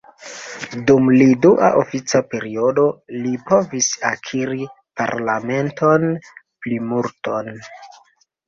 Dum li dua ofica periodo, li povis akiri parlamentan plimulton.